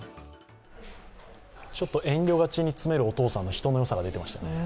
ちょっと遠慮がちに詰めるお父さんの人の良さが出ていましたね。